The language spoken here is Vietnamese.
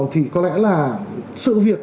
thì có lẽ là sự việc